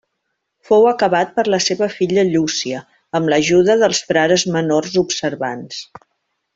Fou acabat per la seva filla Llúcia, amb l'ajuda dels frares Menors Observants.